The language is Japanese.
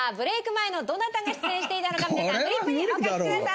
前のどなたが出演していたのか皆さんフリップにお書きください。